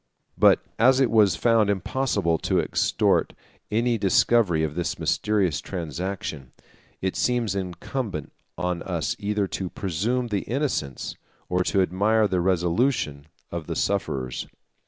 155 But as it was found impossible to extort any discovery of this mysterious transaction, it seems incumbent on us either to presume the innocence, or to admire the resolution, of the sufferers.